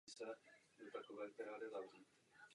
Nicméně jeho výroba byla zastavena.